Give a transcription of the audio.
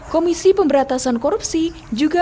komisi pemberatasan korupsi juga